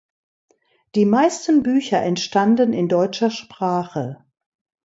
Die meisten Bücher entstanden in deutscher Sprache.